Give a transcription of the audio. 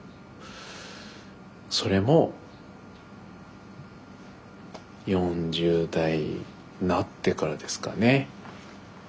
それも４０代なってからですかね。